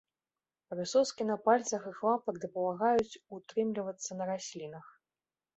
Прысоскі на пальцах іх лапак дапамагаюць утрымлівацца на раслінах.